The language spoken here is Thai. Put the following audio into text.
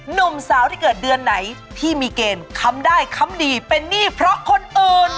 หนุ่มสาวที่เกิดเดือนไหนที่มีเกณฑ์ค้ำได้ค้ำดีเป็นหนี้เพราะคนอื่น